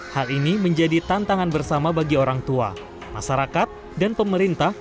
hal ini menjadi tantangan bersama bagi orang tua masyarakat dan pemerintah